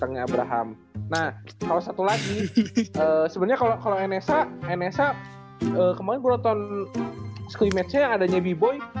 nah kalau satu lagi sebenernya kalau enesa kemarin gue nonton scrim match nya adanya bboy